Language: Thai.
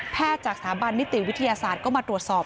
จากสถาบันนิติวิทยาศาสตร์ก็มาตรวจสอบ